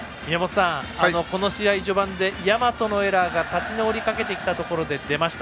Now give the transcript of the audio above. この試合、序盤で大和のエラーが立ち直りかけてきたところで出ました。